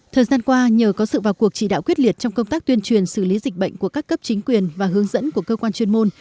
thời gian qua nhờ có sự vào cuộc chỉ đạo quyết liệt trong công tác tuyên truyền xử lý dịch bệnh của các cấp chính quyền và hướng dẫn của cơ quan chuyên môn